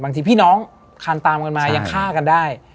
พี่น้องคันตามกันมายังฆ่ากันได้